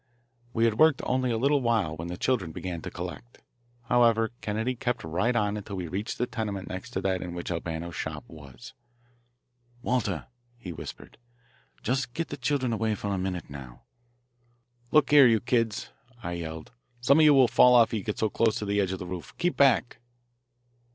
We had worked only a little while when the children began to collect. However, Kennedy kept right on until we reached the tenement next to that in which Albano's shop was. "Walter," he whispered, "just get the children away for a minute now." "Look here, you kids," I yelled, "some of you will fall off if you get so close to the edge of the roof. Keep back."